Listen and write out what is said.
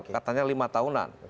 katanya lima tahunan